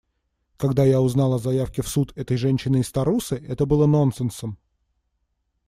Когда я узнал о заявке в суд этой женщины из Тарусы, это было нонсенсом.